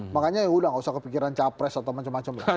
makanya udah gak usah kepikiran capres atau macam macam